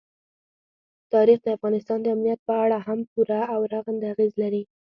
تاریخ د افغانستان د امنیت په اړه هم پوره او رغنده اغېز لري.